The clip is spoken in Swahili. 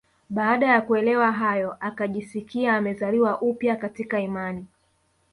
Baada ya kuelewa hayo akajisikia amezaliwa upya katika imani